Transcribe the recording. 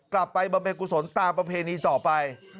กลับไปบำเพกุศลตามประเพณีต่อไป